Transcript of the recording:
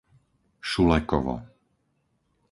Šulekovo